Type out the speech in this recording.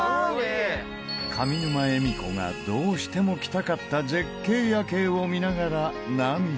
上沼恵美子がどうしても来たかった絶景夜景を見ながら涙。